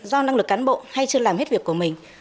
do năng lực cán bộ hay chưa làm hết việc của mình